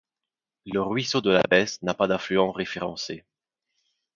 Le Ruisseau de l'Abbesse n'a pas d'affluent référencé.